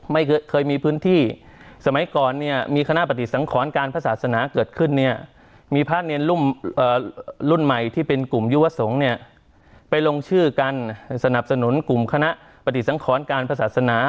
ไม่เคยมีพื้นที่สมัยก่อนเนี่ยมีคณะปฏิสังขรการพระศาสนาเกิดขึ้นเนี่ยมีพระเนรุ่มรุ่นใหม่ที่เป็นกลุ่มยุวสงฆ์เนี่ยไปลงชื่อกันสนับสนุนกลุ่มคณะปฏิสังขรการพระศาสนา